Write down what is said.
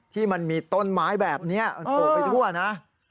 ที่มันมีต้นไม้แบบนี้โป่งไปทั่วนะ